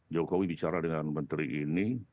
jokowi bicara dengan menteri ini